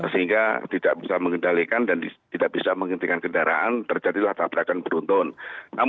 sehingga tidak bisa mengendalikan dan tidak bisa menghentikan kendaraan terjadilah tabrakan beruntun